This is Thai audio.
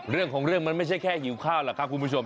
เรื่องของเรื่องมันไม่ใช่แค่หิวข้าวหรอกครับคุณผู้ชม